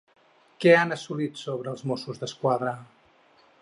Què han assolit sobre els Mossos d'Esquadra?